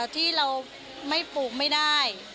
ที่เราไม่ปลูกไม่ได้